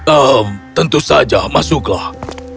ehm tentu saja masuklah